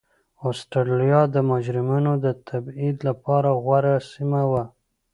اسټرالیا د مجرمینو د تبعید لپاره غوره سیمه وه.